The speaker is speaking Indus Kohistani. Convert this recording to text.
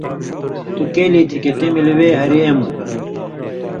”تُو کیٙلی تھی کھیں تی ملی وے ہریۡ اېم“